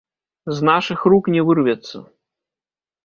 З нашых рук не вырвецца.